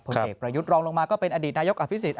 พระเอกประยุทธรรมลงมาก็เป็นอดีตนายกอภิสิต